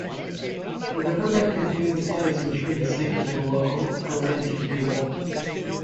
The riverbed contains sites and trees sacred to the local Arrente people.